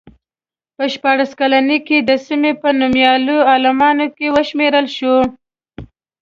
په شپاړس کلنۍ کې د سیمې په نومیالیو عالمانو کې وشمېرل شو.